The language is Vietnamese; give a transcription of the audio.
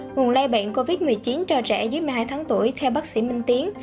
nguồn lây bệnh covid một mươi chín cho trẻ dưới một mươi hai tháng tuổi theo bác sĩ minh tiến